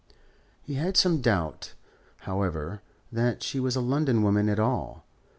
He had some doubt, however, that she was a London woman at all.